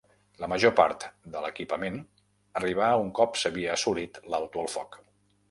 La major part de l'equipament arribà un cop s'havia assolit l'alto el foc.